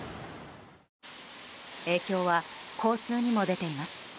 影響は交通にも出ています。